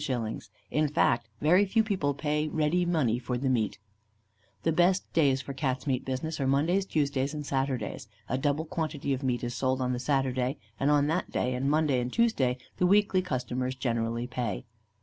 _; in fact, very few people pay ready money for the meat.' "The best days for the Cats' meat business are Mondays, Tuesdays, and Saturdays. A double quantity of meat is sold on the Saturday; and on that day and Monday and Tuesday, the weekly customers generally pay."